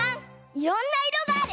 「いろんないろがある」。